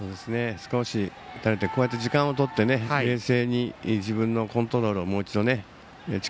少し打たれているのでこうして時間をとって冷静に自分のコントロールをもう一度ね。